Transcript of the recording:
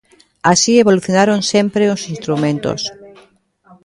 Así evolucionaron sempre os instrumentos.